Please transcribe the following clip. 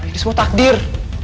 ini semua takdir